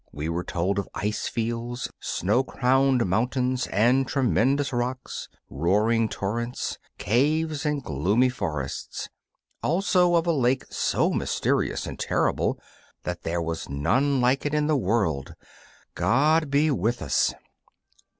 We were told of ice fields, snow crowned mountains and tremendous rocks, roaring torrents, caves and gloomy forests; also of a lake so mysterious and terrible that there was none like it in the world. God be with us!